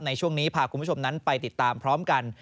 ในช่วงนี้พาคุณผู้ชมนั้นไปติดตามพร้อมกัน